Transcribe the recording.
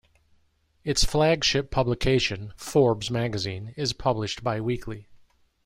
Its flagship publication, "Forbes" magazine, is published bi-weekly.